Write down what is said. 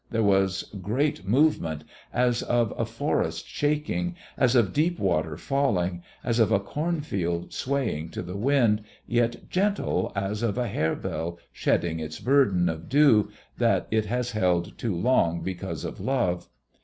There was great movement as of a forest shaking, as of deep water falling, as of a cornfield swaying to the wind, yet gentle as of a harebell shedding its burden of dew that it has held too long because of love.